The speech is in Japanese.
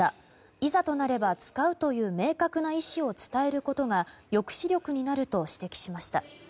いざとなれば使うという明確な意思を伝えることが抑止力になると指摘しました。